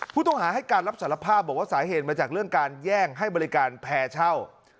ผู้ต้องหาให้การรับสารภาพบอกว่าสาเหตุมาจากเรื่องการแย่งให้บริการแพร่เช่า